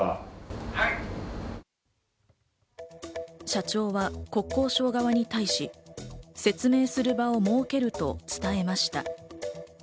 社長は国交省側に対し、説明する場を設けると伝えました。